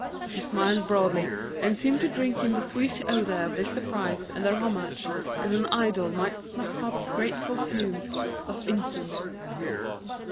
She smiled broadly, and seemed to drink in the sweet odor of this surprise and their homage as an idol might snuff up grateful fumes of incense.